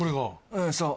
うんそう。